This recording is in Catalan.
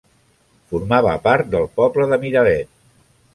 Formava part del poble de Miravet.